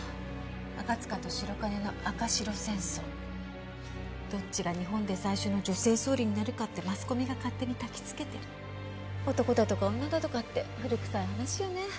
赤塚と白金の赤白戦争どっちが日本で最初の女性総理になるかってマスコミが勝手にたきつけてる男だとか女だとかって古くさい話よね